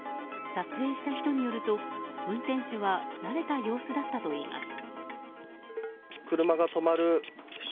撮影した人によると運転手は慣れた様子だったといいます。